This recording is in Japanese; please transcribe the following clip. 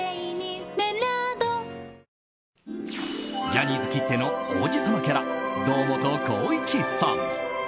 ジャニーズきっての王子様キャラ、堂本光一さん。